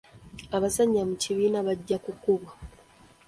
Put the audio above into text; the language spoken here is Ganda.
Abazannya mu kibiina bajja kukubwa.